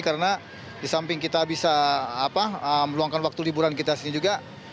karena di samping kita bisa meluangkan waktu liburan kita sini juga